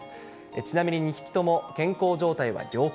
ちなみに２匹とも、健康状態は良好。